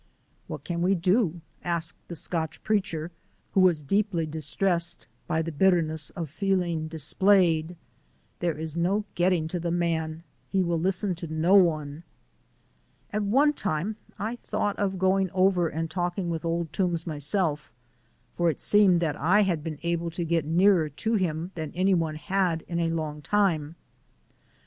"What can we do?" asked the Scotch Preacher, who was deeply distressed by the bitterness of feeling displayed. "There is no getting to the man. He will listen to no one." At one time I thought of going over and talking with Old Toombs myself, for it seemed that I had been able to get nearer to him than any one had in a long time.